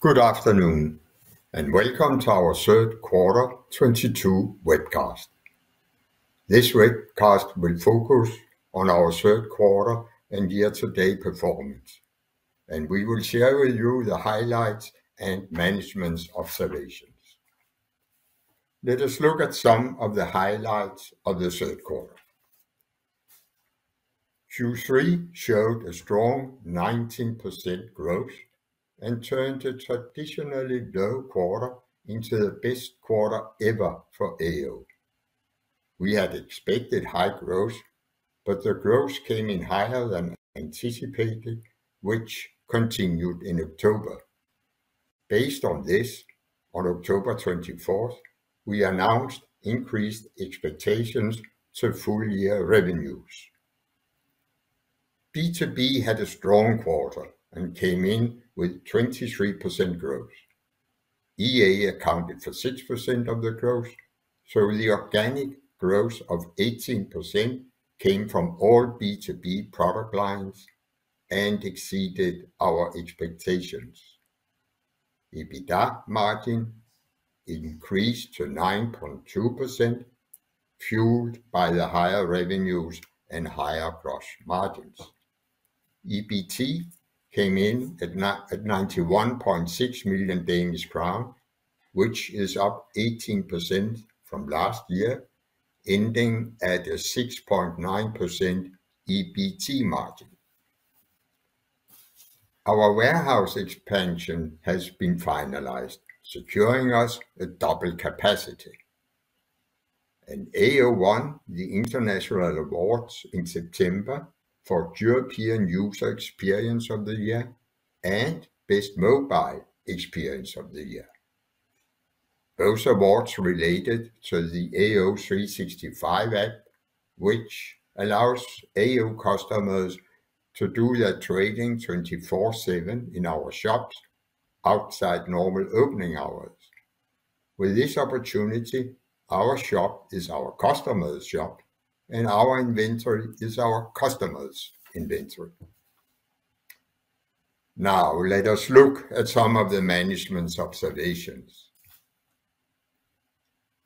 Good afternoon, and welcome to our third quarter 2022 webcast. This webcast will focus on our third quarter and year-to-date performance, and we will share with you the highlights and management's observations. Let us look at some of the highlights of the third quarter. Q3 showed a strong 19% growth and turned a traditionally low quarter into the best quarter ever for AO. We had expected high growth, but the growth came in higher than anticipated, which continued in October. Based on this, on October 24th, we announced increased expectations to full year revenues. B2B had a strong quarter and came in with 23% growth. EA accounted for 6% of the growth, so the organic growth of 18% came from all B2B product lines and exceeded our expectations. EBITDA margin increased to 9.2%, fueled by the higher revenues and higher gross margins. EBT came in at 91.6 million Danish crown, which is up 18% from last year, ending at a 6.9% EBT margin. Our warehouse expansion has been finalized, securing us a double capacity. AO won the international awards in September for European User Experience of the Year and Best Mobile Experience Of The Year. Those awards related to the AO365 app, which allows AO customers to do their trading 24/7 in our shops outside normal opening hours. With this opportunity, our shop is our customer's shop, and our inventory is our customer's inventory. Now, let us look at some of the management's observations.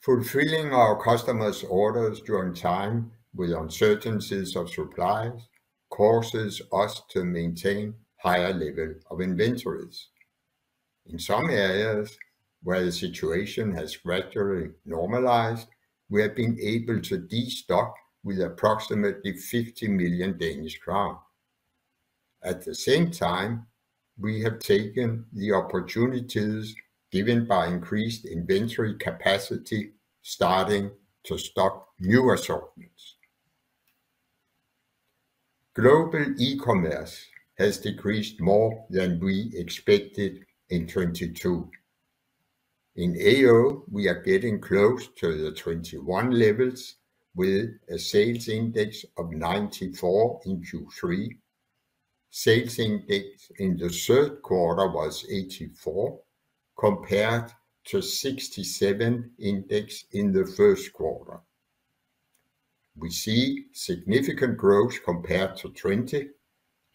Fulfilling our customers' orders during time with uncertainties of supplies causes us to maintain higher level of inventories. In some areas where the situation has gradually normalized, we have been able to destock with approximately 50 million Danish crown. At the same time, we have taken the opportunities given by increased inventory capacity, starting to stock new assortments. Global eCommerce has decreased more than we expected in 2022. In AO, we are getting close to the 2021 levels with a sales index of 94 in Q3. Sales index in the third quarter was 84 compared to 67 index in the first quarter. We see significant growth compared to 2020,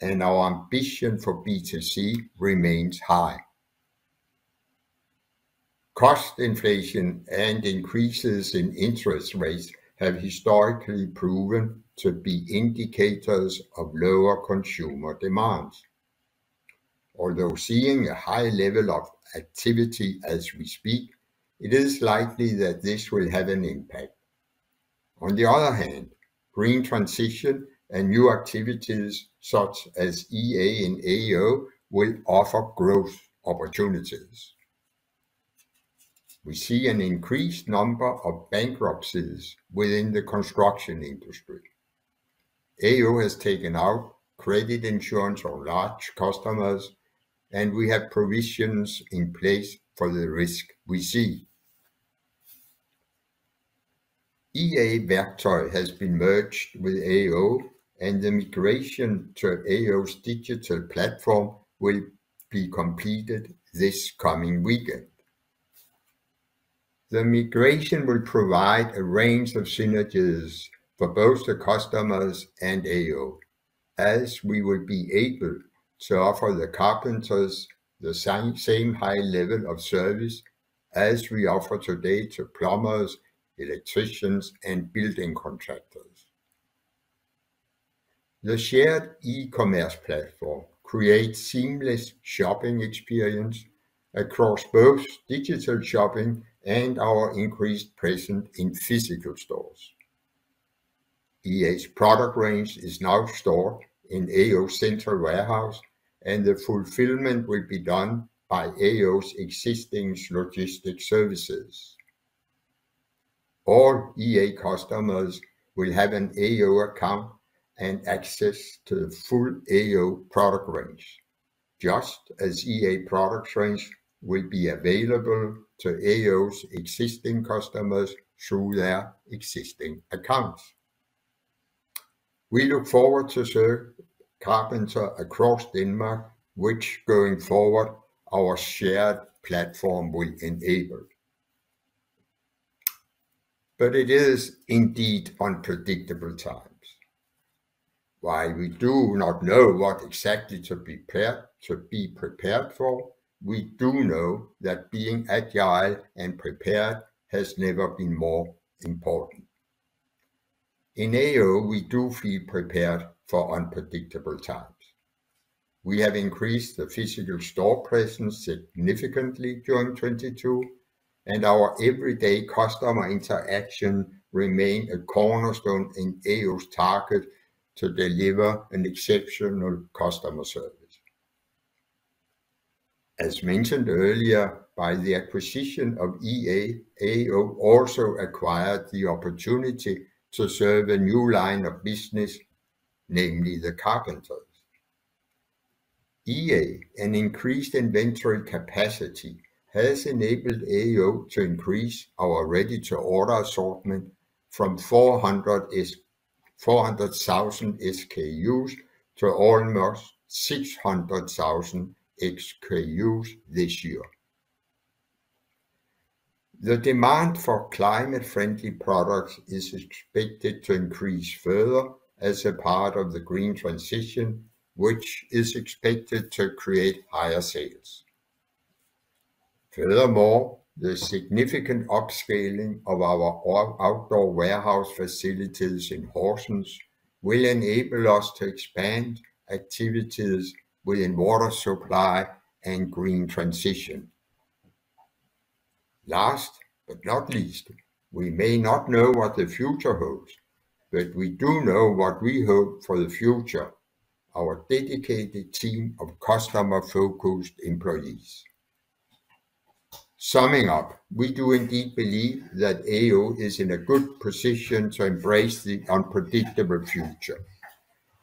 and our ambition for B2C remains high. Cost inflation and increases in interest rates have historically proven to be indicators of lower consumer demands. Although seeing a high level of activity as we speak, it is likely that this will have an impact. On the other hand, green transition and new activities such as EA and AO will offer growth opportunities. We see an increased number of bankruptcies within the construction industry. AO has taken out credit insurance on large customers, and we have provisions in place for the risk we see. EA Værktøj has been merged with AO, and the migration to AO's digital platform will be completed this coming weekend. The migration will provide a range of synergies for both the customers and AO, as we will be able to offer the carpenters the same high level of service as we offer today to plumbers, electricians, and building contractors. The shared eCommerce platform creates seamless shopping experience across both digital shopping and our increased presence in physical stores. EA's product range is now stored in AO central warehouse, and the fulfillment will be done by AO's existing logistics services. All EA customers will have an AO account and access to the full AO product range, just as EA product range will be available to AO's existing customers through their existing accounts. We look forward to serve carpenters across Denmark, which going forward our shared platform will enable. It is indeed unpredictable times. While we do not know what exactly to prepare, to be prepared for, we do know that being agile and prepared has never been more important. In AO, we do feel prepared for unpredictable times. We have increased the physical store presence significantly during 2022, and our everyday customer interaction remain a cornerstone in AO's target to deliver an exceptional customer service. As mentioned earlier, by the acquisition of EA, AO also acquired the opportunity to serve a new line of business, namely the carpenters. EA Værktøj, an increased inventory capacity, has enabled AO to increase our ready-to-order assortment from 400,000 SKUs to almost 600,000 SKUs this year. The demand for climate-friendly products is expected to increase further as a part of the green transition, which is expected to create higher sales. Furthermore, the significant upscaling of our outdoor warehouse facilities in Horsens will enable us to expand activities within water supply and green transition. Last but not least, we may not know what the future holds, but we do know what we hope for the future, our dedicated team of customer-focused employees. Summing up, we do indeed believe that AO is in a good position to embrace the unpredictable future,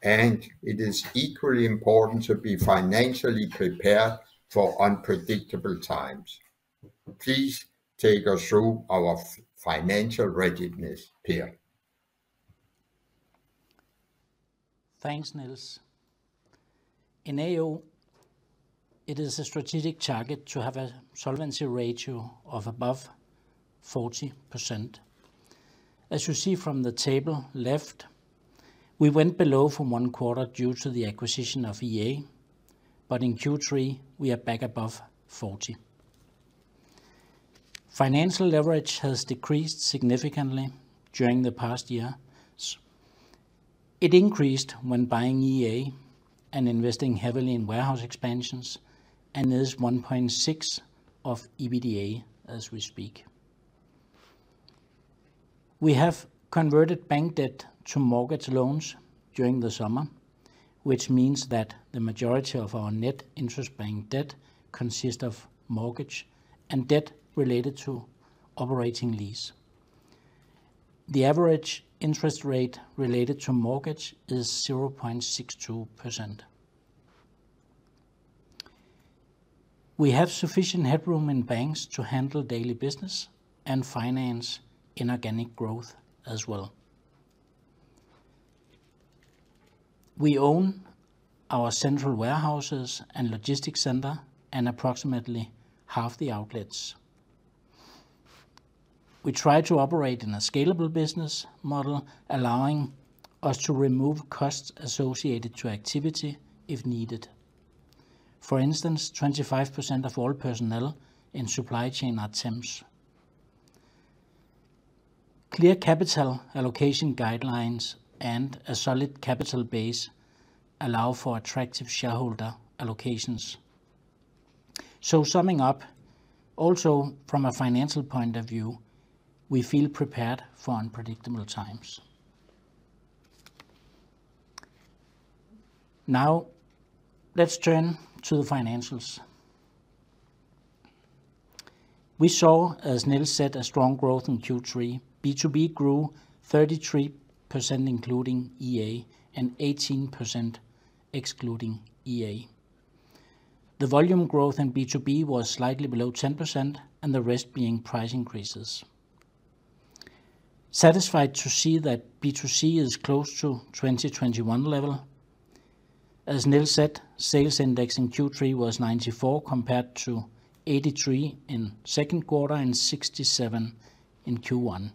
and it is equally important to be financially prepared for unpredictable times. Please take us through our financial readiness, Per. Thanks, Niels. In AO, it is a strategic target to have a solvency ratio of above 40%. As you see from the table left, we went below for one quarter due to the acquisition of EA, but in Q3, we are back above 40%. Financial leverage has decreased significantly during the past year. It increased when buying EA and investing heavily in warehouse expansions and is 1.6% of EBITDA as we speak. We have converted bank debt to mortgage loans during the summer, which means that the majority of our net interest bank debt consists of mortgage and debt related to operating lease. The average interest rate related to mortgage is 0.62%. We have sufficient headroom in banks to handle daily business and finance inorganic growth as well. We own our central warehouses and logistics center and approximately half the outlets. We try to operate in a scalable business model, allowing us to remove costs associated to activity if needed. For instance, 25% of all personnel in supply chain are temps. Clear capital allocation guidelines and a solid capital base allow for attractive shareholder allocations. Summing up, also from a financial point of view, we feel prepared for unpredictable times. Now, let's turn to the financials. We saw, as Niels said, a strong growth in Q3. B2B grew 33% including EA, and 18% excluding EA. The volume growth in B2B was slightly below 10%, and the rest being price increases. Satisfied to see that B2C is close to 2021 level. As Niels said, sales index in Q3 was 94 compared to 83 in second quarter and 67 in Q1.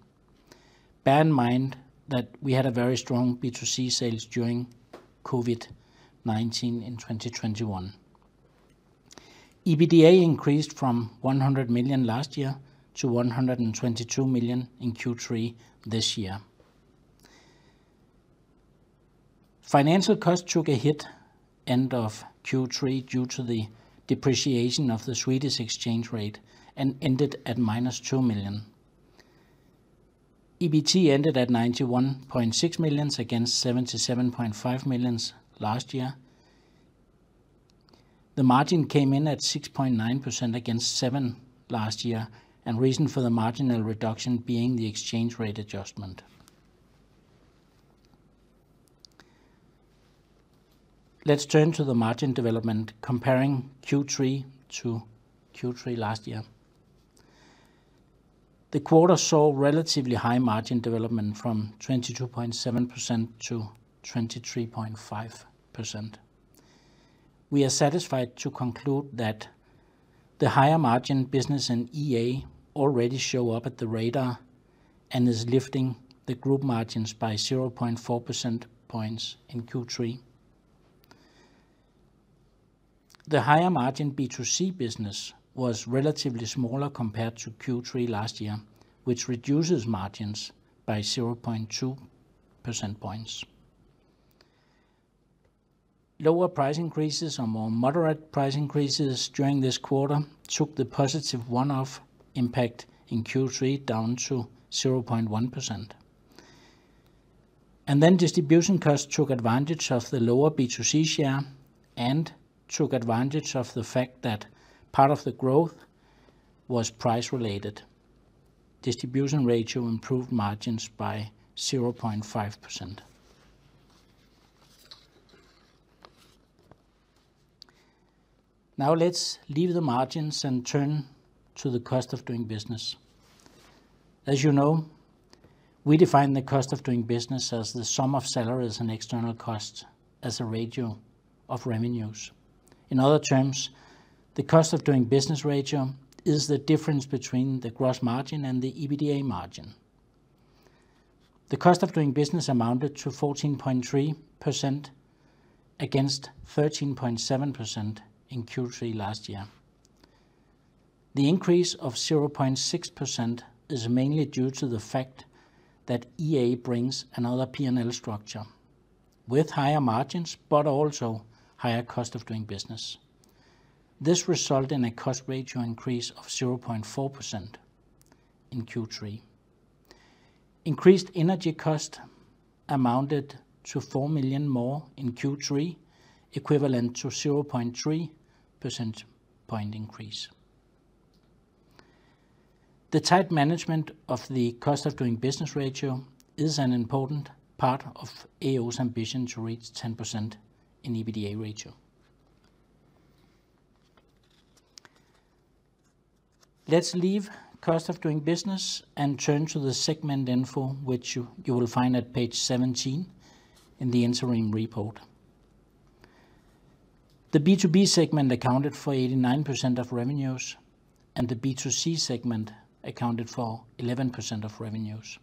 Bear in mind that we had a very strong B2C sales during COVID-19 in 2021. EBITDA increased from 100 million last year to 122 million in Q3 this year. Financial costs took a hit end of Q3 due to the depreciation of the Swedish exchange rate and ended at -2 million. EBT ended at 91.6 million against 77.5 million last year. The margin came in at 6.9% against 7% last year, and reason for the marginal reduction being the exchange rate adjustment. Let's turn to the margin development comparing Q3 to Q3 last year. The quarter saw relatively high margin development from 22.7% to 23.5%. We are satisfied to conclude that the higher margin business in EA already show up on the radar and is lifting the group margins by 0.4 percentage points in Q3. The higher margin B2C business was relatively smaller compared to Q3 last year, which reduces margins by 0.2 percentage points. Lower price increases or more moderate price increases during this quarter took the positive one-off impact in Q3 down to 0.1%. Distribution costs took advantage of the lower B2C share and took advantage of the fact that part of the growth was price related. Distribution ratio improved margins by 0.5%. Now let's leave the margins and turn to the cost of doing business. As you know, we define the cost of doing business as the sum of salaries and external costs as a ratio of revenues. In other terms, the cost of doing business ratio is the difference between the gross margin and the EBITDA margin. The cost of doing business amounted to 14.3% against 13.7% in Q3 last year. The increase of 0.6% is mainly due to the fact that EA brings another P&L structure with higher margins but also higher cost of doing business. This results in a cost ratio increase of 0.4% in Q3. Increased energy cost amounted to 4 million more in Q3, equivalent to 0.3 percentage point increase. The tight management of the cost of doing business ratio is an important part of AO's ambition to reach 10% in EBITDA ratio. Let's leave cost of doing business and turn to the segment info which you will find at page 17 in the interim report. The B2B segment accounted for 89% of revenues and the B2C segment accounted for 11% of revenues.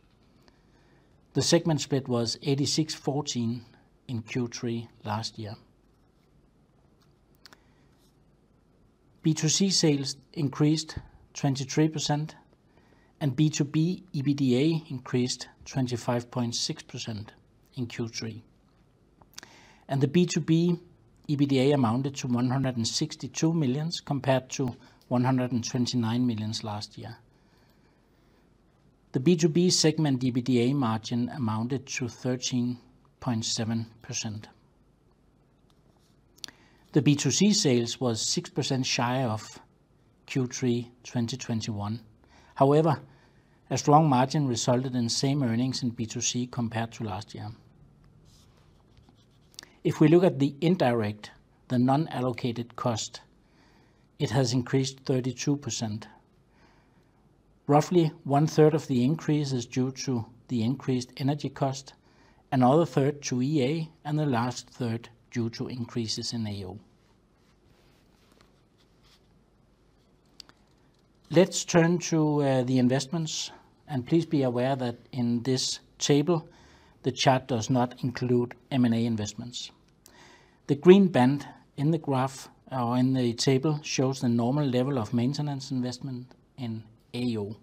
The segment split was 86%-14% in Q3 last year. B2C sales increased 23% and B2B EBITDA increased 25.6% in Q3. The B2B EBITDA amounted to 162 million compared to 129 million last year. The B2B segment EBITDA margin amounted to 13.7%. The B2C sales was 6% shy of Q3 2021. However, a strong margin resulted in same earnings in B2C compared to last year. If we look at the indirect, the non-allocated cost, it has increased 32%. Roughly one third of the increase is due to the increased energy cost, another third to EA, and the last third due to increases in AO. Let's turn to the investments, and please be aware that in this table the chart does not include M&A investments. The green band in the graph or in the table shows the normal level of maintenance investment in AO.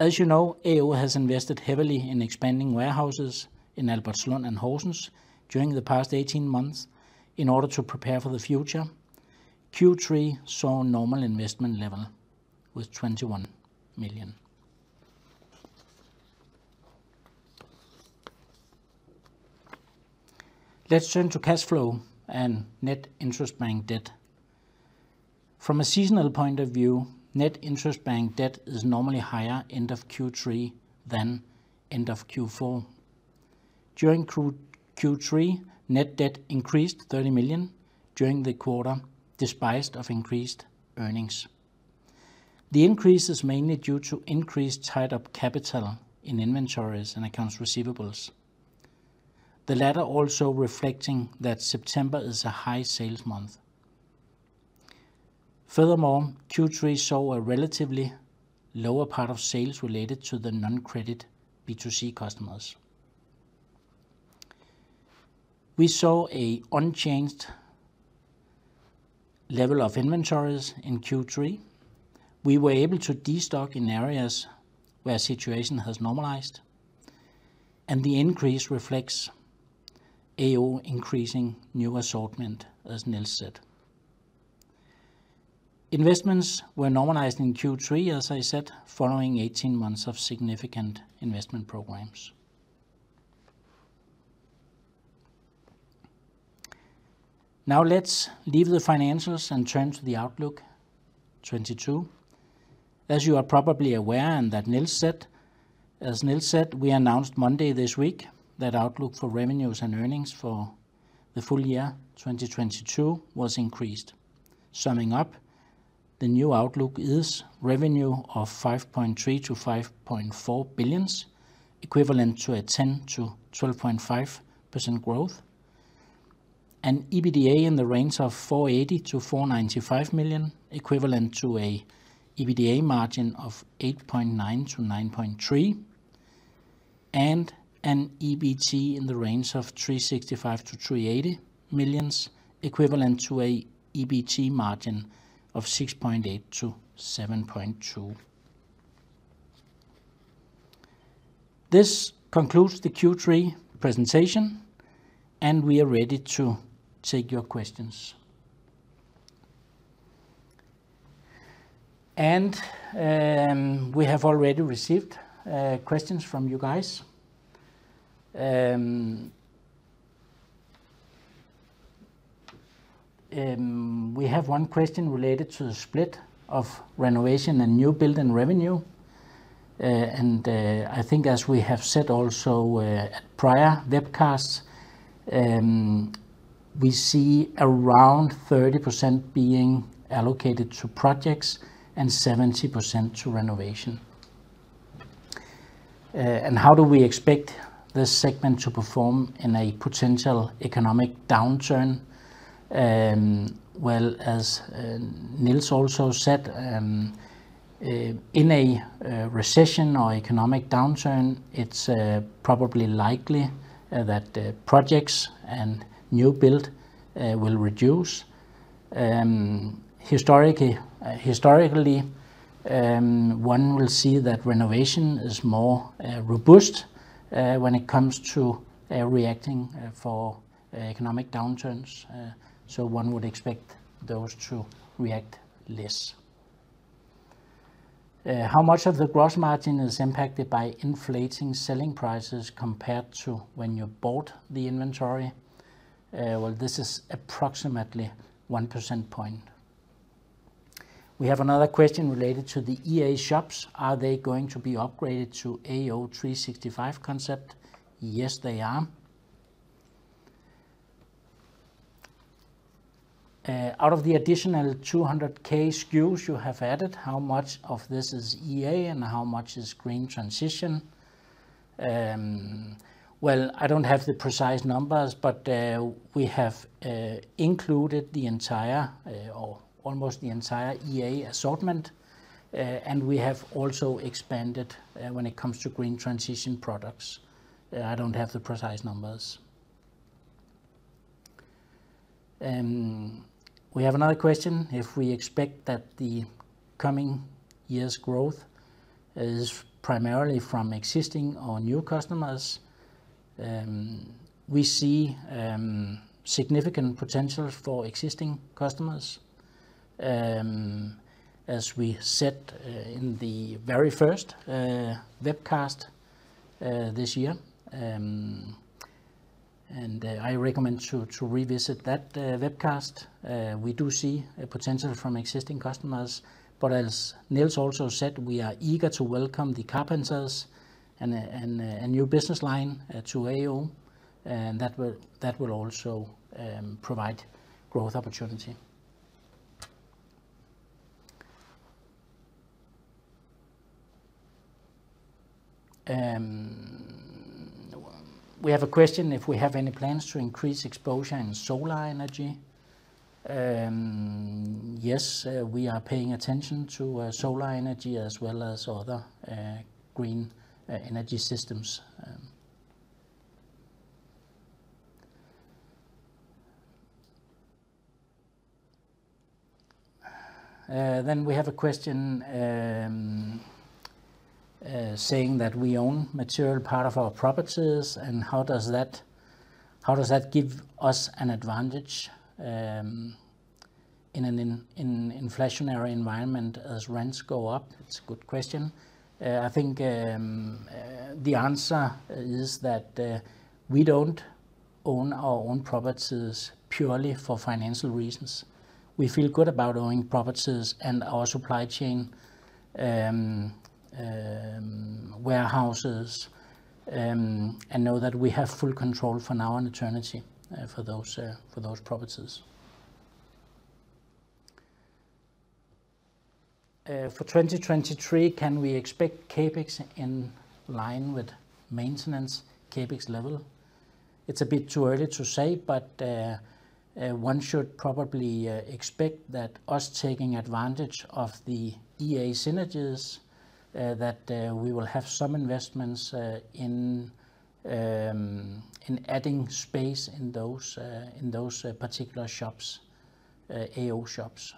As you know, AO has invested heavily in expanding warehouses in Albertslund and Horsens during the past 18 months in order to prepare for the future. Q3 saw normal investment level with 21 million. Let's turn to cash flow and net interest bank debt. From a seasonal point of view, net interest bank debt is normally higher end of Q3 than end of Q4. During Q3, net debt increased 30 million during the quarter, despite of increased earnings. The increase is mainly due to increased tied-up capital in inventories and accounts receivables. The latter also reflecting that September is a high sales month. Furthermore, Q3 saw a relatively lower part of sales related to the non-credit B2C customers. We saw a unchanged level of inventories in Q3. We were able to de-stock in areas where situation has normalized, and the increase reflects AO increasing new assortment, as Niels said. Investments were normalized in Q3, as I said, following 18 months of significant investment programs. Now let's leave the financials and turn to the outlook 2022. As you are probably aware and that Niels said, we announced Monday this week that outlook for revenues and earnings for the full year 2022 was increased. Summing up. The new outlook is revenue of 5.3 billion-5.4 billion, equivalent to a 10%-12.5% growth. EBITDA in the range of 480 million-495 million, equivalent to an EBITDA margin of 8.9%-9.3%, and an EBT in the range of 365 million-380 million, equivalent to an EBT margin of 6.8%-7.2%. This concludes the Q3 presentation, and we are ready to take your questions. We have already received questions from you guys. We have one question related to the split of renovation and new building revenue. I think as we have said also at prior webcasts, we see around 30% being allocated to projects and 70% to renovation. How do we expect this segment to perform in a potential economic downturn? Well, as Niels also said, in a recession or economic downturn, it's probably likely that the projects and new build will reduce. Historically, one will see that renovation is more robust when it comes to reacting to economic downturns. One would expect those to react less. How much of the gross margin is impacted by inflating selling prices compared to when you bought the inventory? Well, this is approximately 1 percentage point. We have another question related to the EA shops. Are they going to be upgraded to AO365 concept? Yes, they are. Out of the additional 200,000 SKUs you have added, how much of this is EA and how much is green transition? Well, I don't have the precise numbers, but we have included the entire, or almost the entire EA assortment. We have also expanded when it comes to green transition products. I don't have the precise numbers. We have another question. If we expect that the coming year's growth is primarily from existing or new customers? We see significant potential for existing customers, as we said, in the very first webcast this year. I recommend to revisit that webcast. We do see a potential from existing customers, but as Niels also said, we are eager to welcome the carpenters and a new business line to AO, and that will also provide growth opportunity. We have a question if we have any plans to increase exposure in solar energy. Yes, we are paying attention to solar energy as well as other green energy systems. We have a question saying that we own material part of our properties, and how does that give us an advantage in an inflationary environment as rents go up? It's a good question. I think the answer is that we don't own our own properties purely for financial reasons. We feel good about owning properties and our supply chain warehouses and know that we have full control for now and eternity for those properties. For 2023, can we expect CapEx in line with maintenance CapEx level? It's a bit too early to say, but one should probably expect that us taking advantage of the EA synergies, that we will have some investments in adding space in those particular shops, AO shops.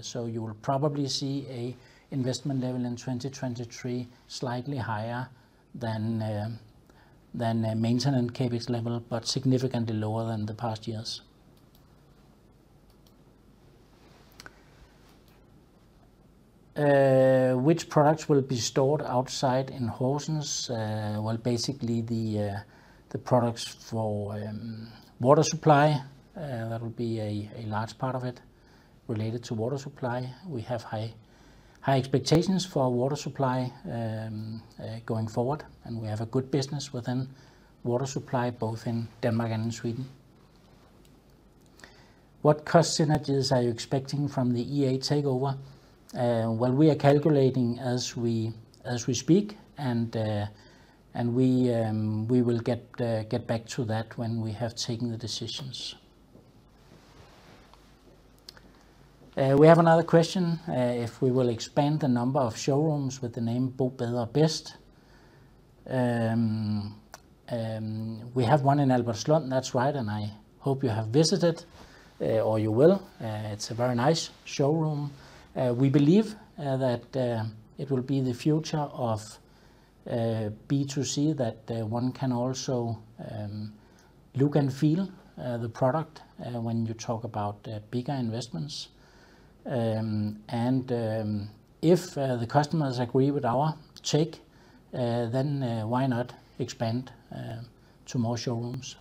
So you will probably see an investment level in 2023 slightly higher than a maintenance CapEx level, but significantly lower than the past years. Which products will be stored outside in Horsens? Well, basically the products for water supply, that will be a large part of it related to water supply. We have high expectations for water supply going forward, and we have a good business within water supply, both in Denmark and in Sweden. What cost synergies are you expecting from the EA takeover? Well, we are calculating as we speak, and we will get back to that when we have taken the decisions. We have another question if we will expand the number of showrooms with the name Bo Bedre Bedst. We have one in Albertslund, that's right, and I hope you have visited or you will. It's a very nice showroom. We believe that it will be the future of B2C that one can also look and feel the product when you talk about bigger investments. If the customers agree with our take, then why not expand to more showrooms?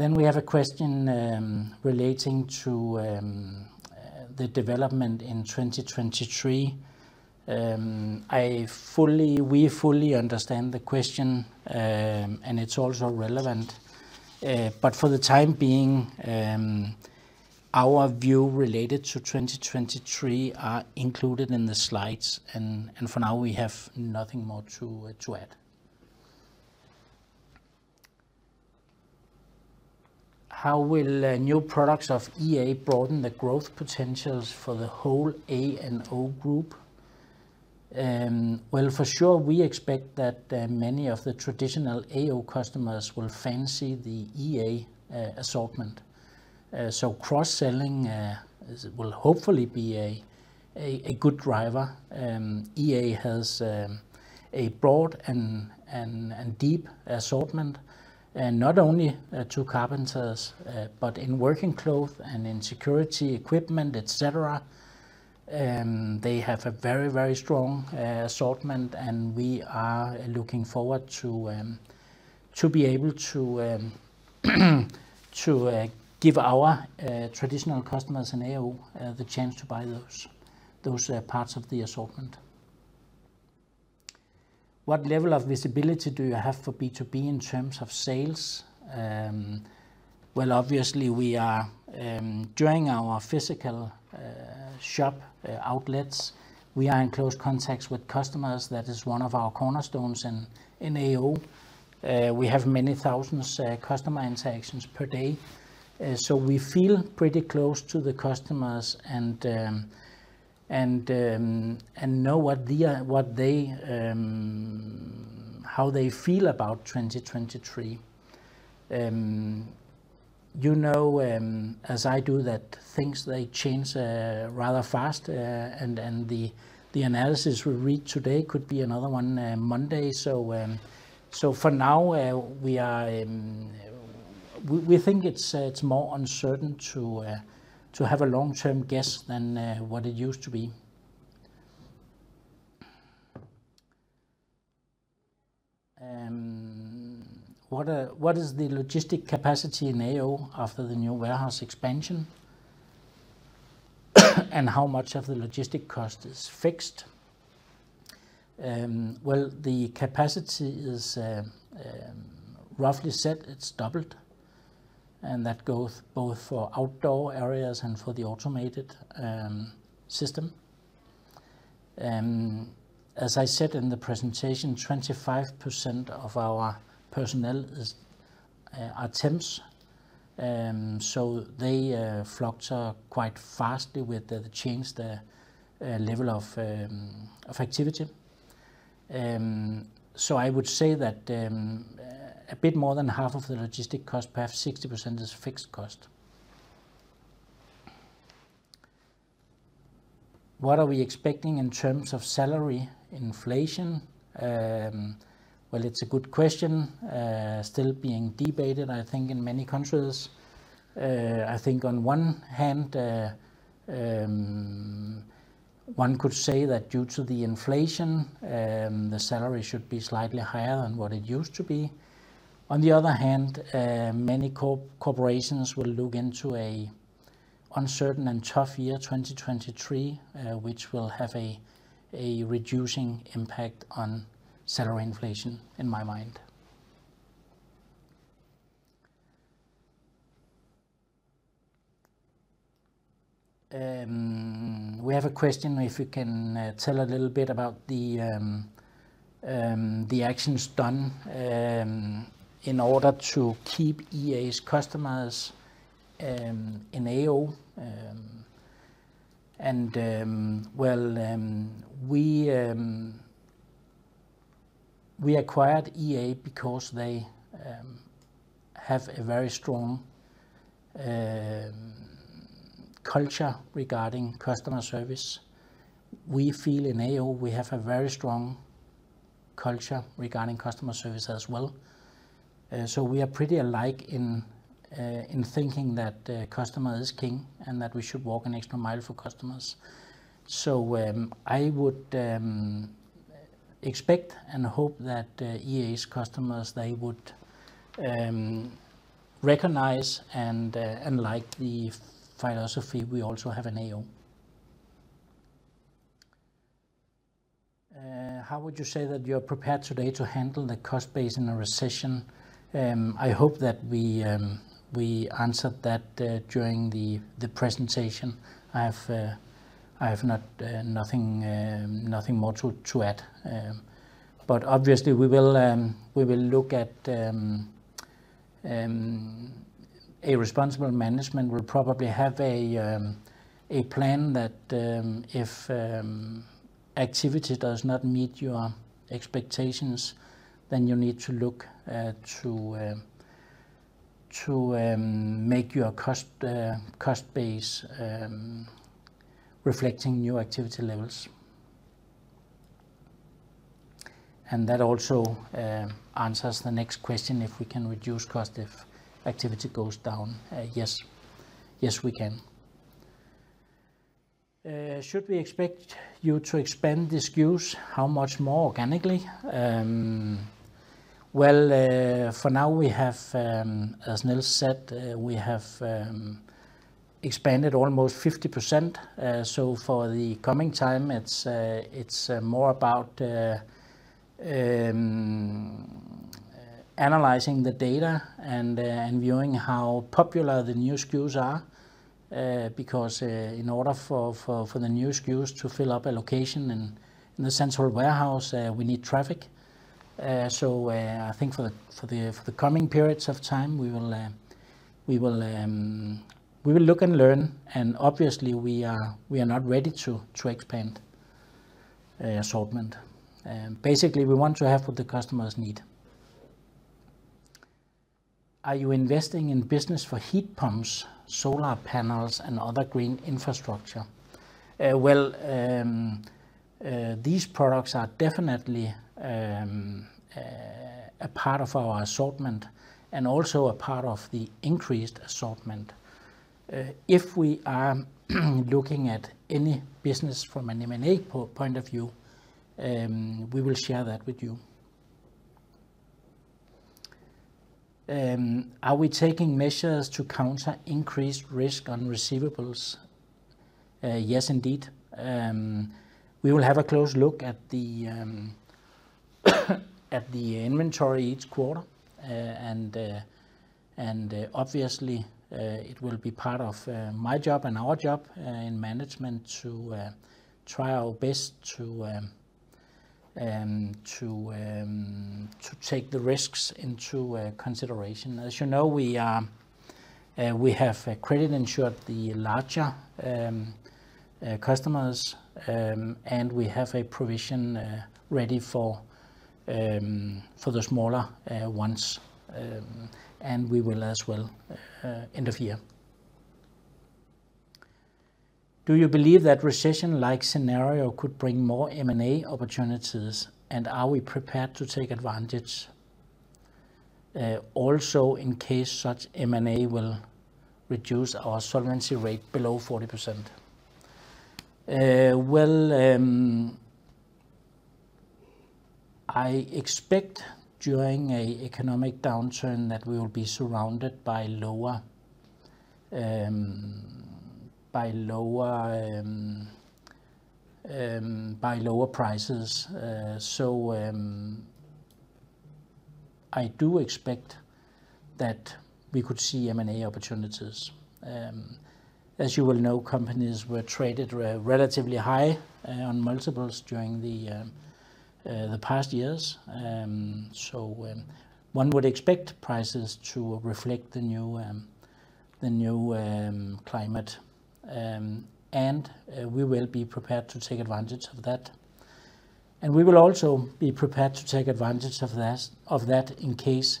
We have a question relating to the development in 2023. We fully understand the question, and it's also relevant. For the time being, our view related to 2023 are included in the slides and for now we have nothing more to add. How will new products of EA broaden the growth potentials for the whole A&O Group? Well, for sure we expect that many of the traditional AO customers will fancy the EA assortment. Cross-selling will hopefully be a good driver. EA has a broad and deep assortment, not only to carpenters, but in working clothes and in security equipment, et cetera. They have a very strong assortment, and we are looking forward to be able to give our traditional customers in AO the chance to buy those parts of the assortment. What level of visibility do you have for B2B in terms of sales? Well, obviously we are during our physical shop outlets, we are in close contact with customers. That is one of our cornerstones in AO. We have many thousands customer interactions per day, so we feel pretty close to the customers and know what they how they feel about 2023. You know, as I do, that things they change rather fast, and the analysis we read today could be another one Monday. For now, we think it's more uncertain to have a long-term guess than what it used to be. What is the logistics capacity in AO after the new warehouse expansion? And how much of the logistics cost is fixed? Well, the capacity is roughly said it's doubled, and that goes both for outdoor areas and for the automated system. As I said in the presentation, 25% of our personnel are temps. They fluctuate quite fast with the change, the level of activity. I would say that a bit more than half of the logistics cost, perhaps 60% is fixed cost. What are we expecting in terms of salary inflation? Well, it's a good question, still being debated, I think, in many countries. I think on one hand, one could say that due to the inflation, the salary should be slightly higher than what it used to be. On the other hand, many corporations will look into a uncertain and tough year, 2023, which will have a reducing impact on salary inflation, in my mind. We have a question if you can tell a little bit about the actions done in order to keep EA's customers in AO. We acquired EA because they have a very strong culture regarding customer service. We feel in AO we have a very strong culture regarding customer service as well. We are pretty alike in thinking that the customer is king and that we should walk an extra mile for customers. I would expect and hope that EA's customers would recognize and like the philosophy we also have in AO. How would you say that you are prepared today to handle the cost base in a recession? I hope that we answered that during the presentation. I have nothing more to add. Obviously we will look at a responsible management will probably have a plan that if activity does not meet your expectations, then you need to look to make your cost base reflecting new activity levels. That also answers the next question, if we can reduce cost if activity goes down. Yes. Yes, we can. Should we expect you to expand the SKUs? How much more organically? Well, for now, as Niels said, we have expanded almost 50%. So for the coming time, it's more about analyzing the data and viewing how popular the new SKUs are, because in order for the new SKUs to fill up a location in the central warehouse, we need traffic. So, I think for the coming periods of time, we will look and learn, and obviously we are not ready to expand assortment. Basically we want to have what the customers need. Are you investing in business for heat pumps, solar panels, and other green infrastructure? Well, these products are definitely a part of our assortment and also a part of the increased assortment. If we are looking at any business from an M&A point of view, we will share that with you. Are we taking measures to counter increased risk on receivables? Yes, indeed. We will have a close look at the inventory each quarter. Obviously, it will be part of my job and our job in management to try our best to take the risks into consideration. As you know, we have credit insured the larger customers, and we have a provision ready for the smaller ones, and we will as well end of year. Do you believe that recession-like scenario could bring more M&A opportunities, and are we prepared to take advantage, also in case such M&A will reduce our solvency rate below 40%? Well, I expect during an economic downturn that we will be surrounded by lower prices. I do expect that we could see M&A opportunities. As you will know, companies were traded relatively high on multiples during the past years. One would expect prices to reflect the new climate. We will be prepared to take advantage of that. We will also be prepared to take advantage of that in case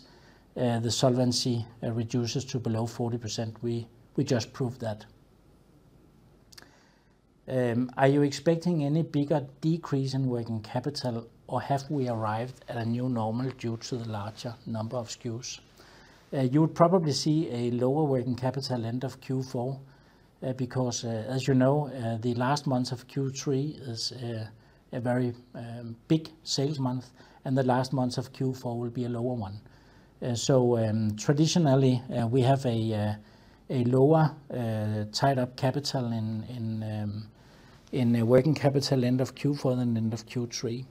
the solvency reduces to below 40%. We just proved that. Are you expecting any bigger decrease in working capital, or have we arrived at a new normal due to the larger number of SKUs? You'll probably see a lower working capital end of Q4 because as you know the last month of Q3 is a very big sales month, and the last month of Q4 will be a lower one. Traditionally we hav e a lower tied-up capital in the working capital end of Q4 than end of Q3.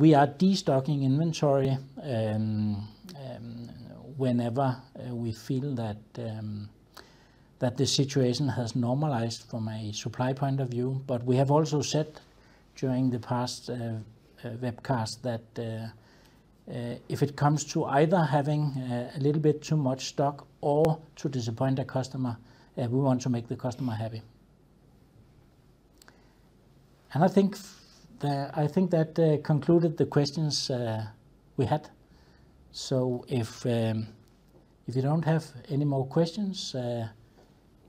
We are destocking inventory whenever we feel that the situation has normalized from a supply point of view. We have also said during the past webcast that if it comes to either having a little bit too much stock or to disappoint a customer, we want to make the customer happy. I think that concluded the questions we had. If you don't have any more questions,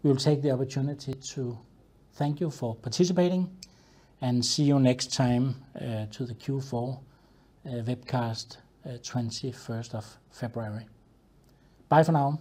we'll take the opportunity to thank you for participating and see you next time to the Q4 webcast at the 21st of February. Bye for now.